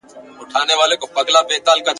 نه مستي سته د رندانو نه شرنګی د مطربانو !.